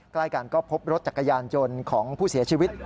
ใกล้กันก็พบรถจักรยานยนต์ของผู้เสียชีวิต